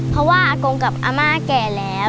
เพราะว่าอากงกับอาม่าแก่แล้ว